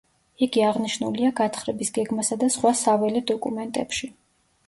იგი აღნიშნულია გათხრების გეგმასა და სხვა საველე დოკუმენტებში.